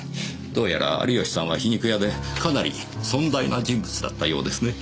どうやら有吉さんは皮肉屋でかなり尊大な人物だったようですね。